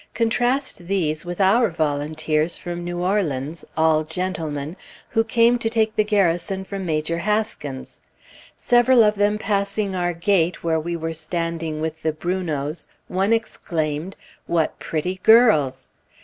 Contrast these with our volunteers from New Orleans all gentlemen who came to take the Garrison from Major Haskins. Several of them passing our gate where we were standing with the Brunots, one exclaimed, "What pretty girls!"